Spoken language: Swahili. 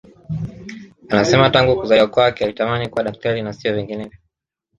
Anasema tangu kuzaliwa kwake alitamani kuwa daktari na sio vinginevyo